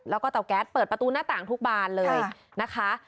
แล้วก็เตาแก๊สเปิดประตูหน้าต่างทุกบานเลยนะคะ